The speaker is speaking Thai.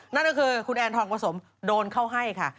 นั่นก็คือคุณแอนทองผสมโดนเข้าให้ค่ะ